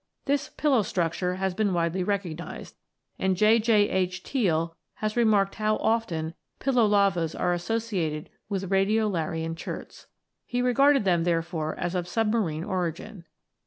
This pillow structure has been widely recognised, and J. J. H. Teall has remarked how often " pillow lavas " are associated with radio larian cherts. He regarded them, therefore, as of submarine origin.